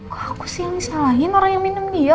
kok aku sih yang disalahin orang yang minum dia